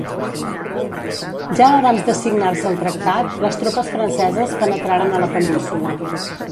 Ja abans de signar-se el tractat, les tropes franceses penetraren a la Península.